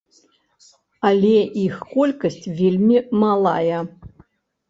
Але іх колькасць вельмі малая.